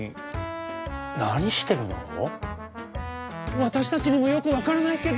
「わたしたちにもよくわからないけど」。